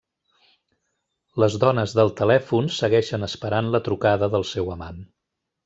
Les dones del telèfon segueixen esperant la trucada del seu amant.